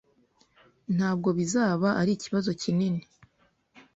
Ntabwo bizaba ari ikibazo kinini.